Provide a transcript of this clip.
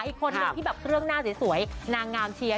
อีกคนที่ให้ดูที่ก็แบบเครื่องหน้าสวยนางนามเชียร์